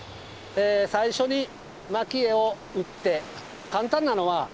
最初にまき餌を打って簡単なのは。